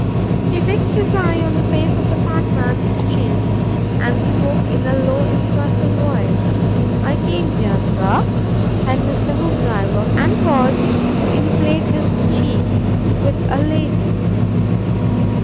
He fixed his eye on the face of the fat man with the chins, and spoke in a low, impressive voice. "I came here, sir," said Mr. Hoopdriver, and paused to inflate his cheeks, "with a lady."